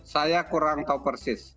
saya kurang tahu persis